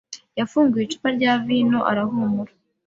yafunguye icupa rya vino arahumura.